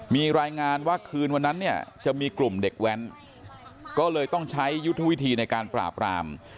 มีรายงานว่าคืนวันนั้นเนี่ยจะมีกลุ่มเด็กแว้นก็เลยต้องใช้ยุทธวิธีในการปราบราม